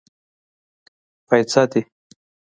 پايڅۀ دې.